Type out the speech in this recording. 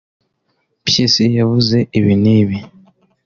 Mpyisi yavuze ibi n’ibi